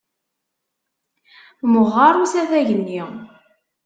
Meɣɣer usafag-nni!